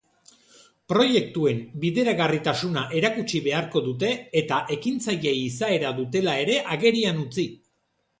Proiektuen bideragarritasuna erakutsi beharko dute eta ekintzaile izaera dutela ere agerian utzi.